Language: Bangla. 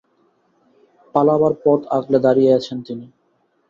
পালাবার পথ আগলে দাঁড়িয়ে আছেন তিনি।